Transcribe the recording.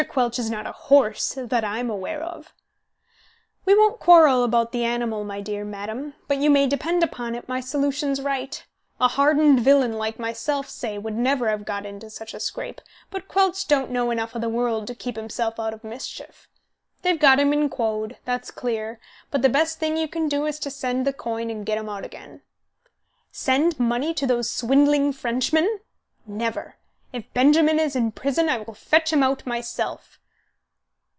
Quelch is not a horse, that I am aware of." "We won't quarrel about the animal, my dear madam, but you may depend upon it, my solution's right. A hardened villain, like myself, say, would never have got into such a scrape, but Quelch don't know enough of the world to keep himself out of mischief. They've got him in quod, that's clear, and the best thing you can do is to send the coin and get him out again." "Send money to those swindling Frenchmen? Never! If Benjamin is in prison I will fetch him out myself."